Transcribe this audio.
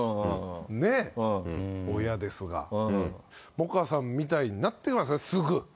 萌歌さんみたいになってすぐ。